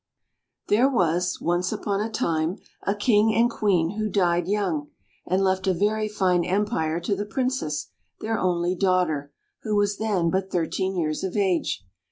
There was, once upon a time, a King and Queen who died young, and left a very fine empire to the Princess, their only daughter, who was then but thirteen years of age.